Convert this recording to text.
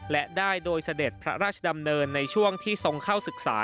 และได้โดยเสด็จพระราชดำเนินในช่วงที่ทรงเข้าศึกษา